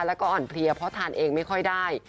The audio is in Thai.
แล้วก็อ่อนเพลียเพราะทานเองไม่ค่อยได้